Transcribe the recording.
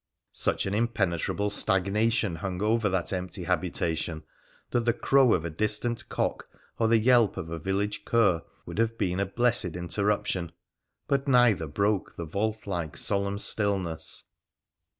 Such an impenetrable stagnation hung over that empty habitation that the crow of a distant cock or the yelp of a village cur would have been a blessed interruption, but neither broke the vault like, solemn stillness.